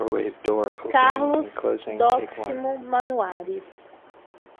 Carlos Doximo Manuaris